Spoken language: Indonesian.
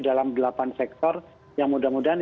dalam delapan sektor yang mudah mudahan